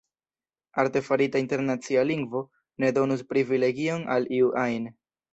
Artefarita internacia lingvo ne donus privilegion al iu ajn.